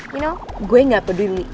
you know gue gak peduli